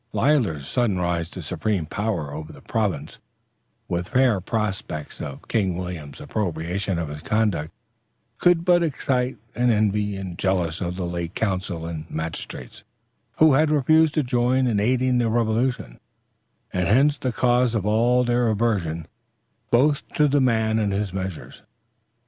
Leisler's sudden rise to supreme power over the province, with fair prospects of King William's approbation of his conduct, could but excite the envy and jealousy of the late council and magistrates, who had refused to join in aiding the revolution; and hence the cause of all their aversion both to the man and his measures.